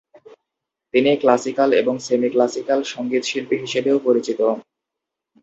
তিনি ক্লাসিক্যাল এবং সেমি-ক্লাসিক্যাল সংগীত শিল্পী হিসেবে ও পরিচিত।